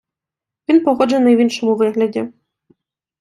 Він погоджений в іншому вигляді.